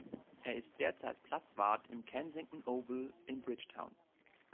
Er ist derzeit Platzwart im Kensington Oval in Bridgetown.